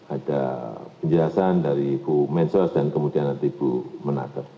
ada penjelasan dari bu mensos dan kemudian nanti bu menaker